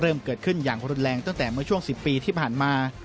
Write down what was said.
เริ่มเกิดขึ้นอย่างรุนแรงตั้งแต่เมื่อช่วง๑๐ปีที่ผ่านมา